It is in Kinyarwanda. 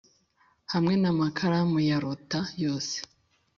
hamwe namakaramu ya lotta yose